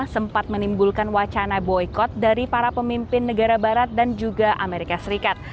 sempat menimbulkan wacana boykot dari para pemimpin negara barat dan juga amerika serikat